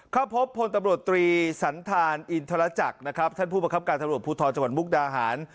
เข้าพบพลตำรวจตรีสันธารอินทรจักรนะครับท่านผู้ประคับการตำรวจภูทรจังหวัดมุกดาหาร